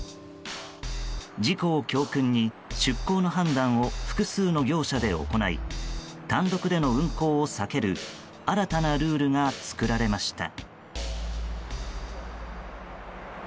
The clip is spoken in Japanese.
事故を教訓に出航の判断を複数の業者で行い単独での運航を避ける新たなルールが作られました。